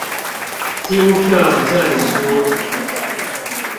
金色證書